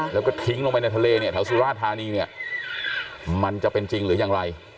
แล้วก็ทิ้งลงไปในทะเลเนี่ยแถวสุราธานีเนี่ยมันจะเป็นจริงหรือยังไร